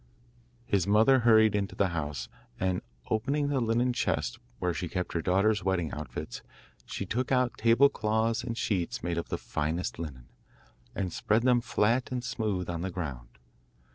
His mother hurried into the house, and opening the linen chest where she kept her daughters' wedding outfits, she took out table cloths and sheets made of the finest linen, and spread them flat and smooth on the ground.